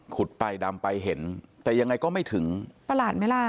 ไปดำไปเห็นแต่ยังไงก็ไม่ถึงประหลาดไหมล่ะ